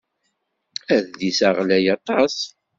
Adlis-a ɣlay aṭas.